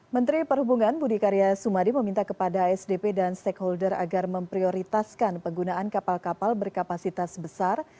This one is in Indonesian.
menteri perhubungan budi karya sumadi meminta kepada asdp dan stakeholder agar memprioritaskan penggunaan kapal kapal berkapasitas besar